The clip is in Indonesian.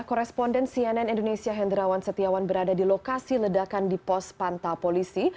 koresponden cnn indonesia hendrawan setiawan berada di lokasi ledakan di pos pantau polisi